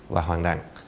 và hoàng đặng